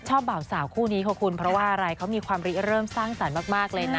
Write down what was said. บ่าวสาวคู่นี้ค่ะคุณเพราะว่าอะไรเขามีความริเริ่มสร้างสรรค์มากเลยนะ